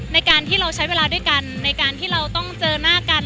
ในการที่เราใช้เวลาด้วยกันในการที่เราต้องเจอหน้ากัน